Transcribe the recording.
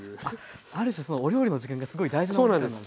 ある種そのお料理の時間がすごい大事なお時間なんですね。